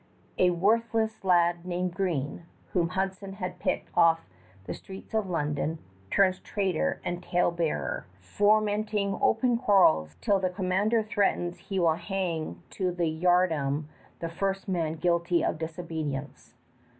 A worthless lad named Green, whom Hudson had picked off the streets of London, turns traitor and talebearer, fomenting open quarrels till the commander threatens he will hang to the yardarm the first man guilty of disobedience.